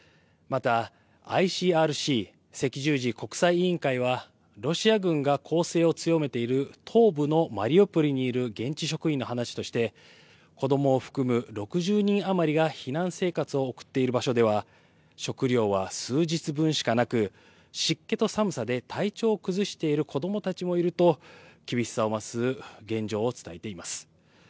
またＩＣＲＣ・赤十字国際委員会はロシア軍が攻勢を強めている東部のマリウポリにいる現地職員の話として、子どもを含む６０人余りが避難生活を送っている場所では、食料は数日分しかなく、湿気と寒さで体調を崩している子どもたちもいると、厳しさを増す現状を伝えています。